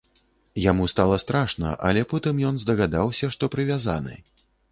Яму стала страшна, але потым ён здагадаўся, што прывязаны.